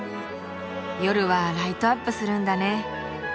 夜はライトアップするんだね。